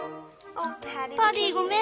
パディごめん